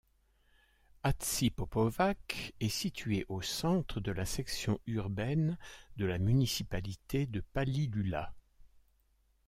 Hadžipopovac est situé au centre de la section urbaine de la municipalité de Palilula.